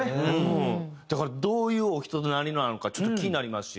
だからどういう人となりなのかちょっと気になりますし。